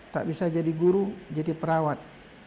tak bisa jadi guru jadi perawat